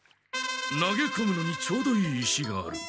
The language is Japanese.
投げこむのにちょうどいい石がある。